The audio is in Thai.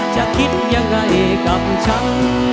จะคิดยังไงกับฉัน